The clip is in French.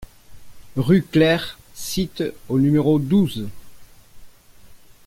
Rue Clair Site au numéro douze